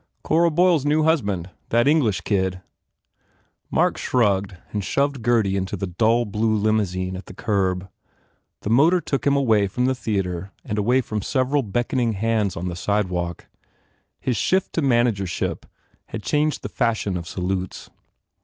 "Cora Boyle s new husband. That English kid." Mark shrugged and shoved Gurdy into the dull blue limousine at the curb. The motor took him away from the theatre and away from several beckoning hands on the sidewalk. His shift to managership had changed the fashion of salutes.